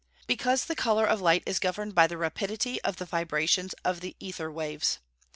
_ Because the colour of light is governed by the rapidity of the vibrations of the ether waves.